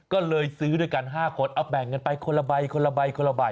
ก็เลยซื้อด้วยกัน๕คนเอาแบ่งกันไปคนละใบ